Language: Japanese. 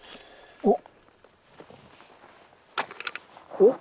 おっ？